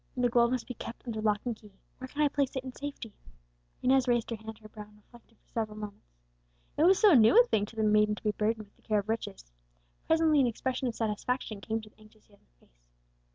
The gold must be kept under lock and key, where can I place it in safety?" Inez raised her hand to her brow, and reflected for several moments. It was so new a thing to the maiden to be burdened with the care of riches! Presently an expression of satisfaction came to the anxious young face.